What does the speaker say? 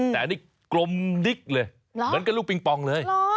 แต่อันนี้กลมดิ๊กเลยเหมือนกับลูกปิงปองเลย